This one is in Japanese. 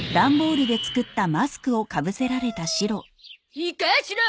いいかシロ！